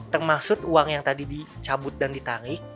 termasuk uang yang tadi dicabut dan ditarik